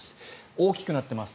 大きくなっています